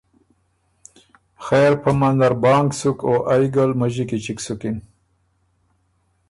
خېر پۀ منځ نر بانګ سُک او ائ ګه لمݫی کی چِګ سُکِن۔